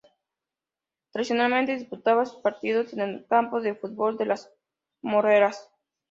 Tradicionalmente disputaba sus partidos en el Campo de Fútbol de Las Moreras.